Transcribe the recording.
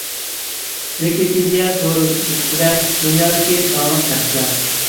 ۋىكىپېدىيە تور بېكىتىدە دۇنيادىكى داڭلىق شەخسلەر.